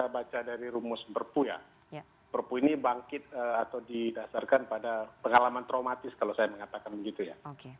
baca dari rumus perpu ya perpu ini bangkit atau didasarkan pada pengalaman traumatis kalau saya mengatakan begitu ya